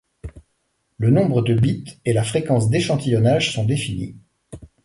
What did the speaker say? Le nombre de bits et la fréquence d'échantillonnage sont définies.